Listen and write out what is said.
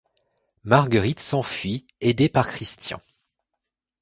Marguerite s'enfuit, aidée par Christian.